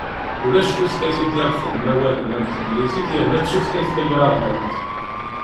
Ulac tutlayt i d-ireḍlen awalen am teglizit yerna d tutlayt tagraɣlant.